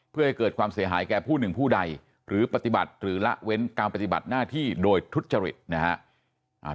เพื่อให้เกิดความเสียหายแก่ผู้หนึ่งผู้ใดหรือปฏิบัติหรือละเว้นการปฏิบัติหน้าที่โดยทุจริตนะครับ